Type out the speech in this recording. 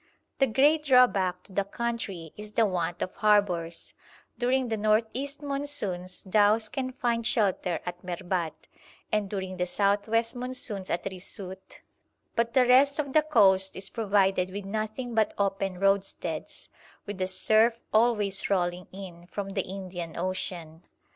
The great drawback to the country is the want of harbours; during the north east monsoons dhows can find shelter at Merbat, and during the south west monsoons at Risout, but the rest of the coast is provided with nothing but open roadsteads, with the surf always rolling in from the Indian Ocean.